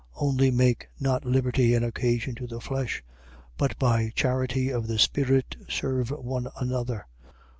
Only make not liberty an occasion to the flesh: but by charity of the spirit serve one another.